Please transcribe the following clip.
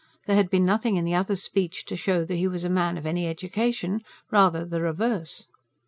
There had been nothing in the other's speech to show that he was a man of any education rather the reverse.